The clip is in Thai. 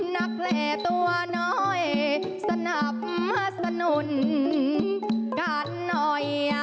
นักแหล่ตัวน้อยสนับสนุนกันหน่อย